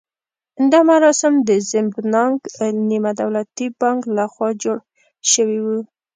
دا مراسم د زیمبانک نیمه دولتي بانک لخوا جوړ شوي وو.